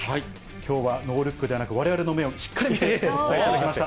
きょうはノールックではなく、われわれの目をしっかり見てお伝えしていただきました。